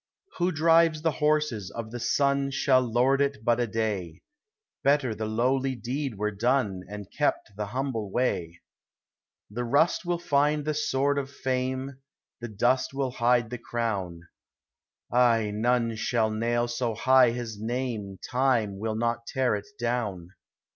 Who drives the horses of the sun Shall lord it but a day ; P>etter the lowly deed were done. And kept the humble way. The rust will find the sword of fame. The dust will hide the crown; Ay, none shall nail so high his name Time will not tear it down.